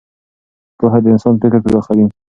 پوهه د انسان فکر پراخوي.